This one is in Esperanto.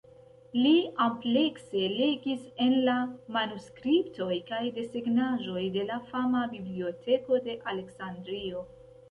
Li amplekse legis en la manuskriptoj kaj desegnaĵoj de la fama Biblioteko de Aleksandrio.